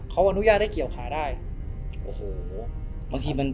เขาอนุญาได้เกียวขาได้